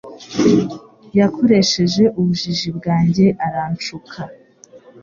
Yakoresheje ubujiji bwanjye aranshuka.